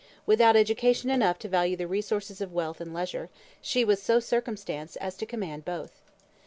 Without education enough to value the resources of wealth and leisure, she was so circumstanced as to command both.